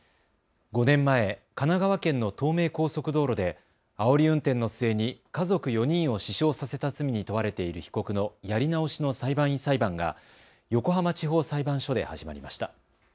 ５年前、神奈川県の東名高速道路であおり運転の末に家族４人を死傷させた罪に問われている被告のやり直しの裁判員裁判が横浜地方裁判所で始まりました。